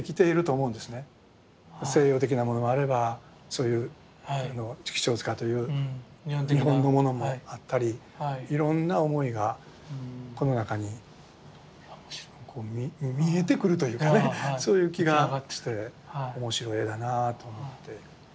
西洋的なものもあればそういう畜生塚という日本的なものもあったりいろんな思いがこの中に見えてくるというかねそういう気がして面白い絵だなぁと思って。